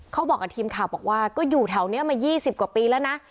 เขาบอกกับทีมข่าวบอกว่าก็อยู่แถวนี้มา๒๐กว่าปีแล้วนะ